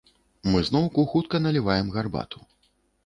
Мы зноўку хутка наліваем гарбату.